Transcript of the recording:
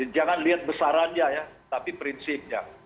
jangan lihat besarannya ya tapi prinsipnya